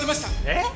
えっ！？